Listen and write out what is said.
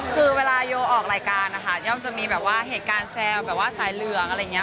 คือเวลาโยออกรายการนะคะย่อมจะมีแบบว่าเหตุการณ์แซวแบบว่าสายเหลืองอะไรอย่างนี้